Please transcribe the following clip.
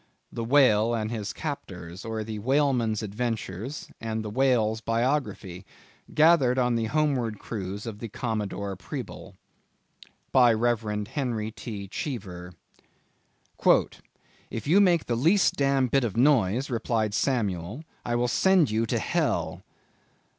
—"_The Whale and his Captors, or The Whaleman's Adventures and the Whale's Biography, gathered on the Homeward Cruise of the Commodore Preble_." By Rev. Henry T. Cheever. "If you make the least damn bit of noise," replied Samuel, "I will send you to hell."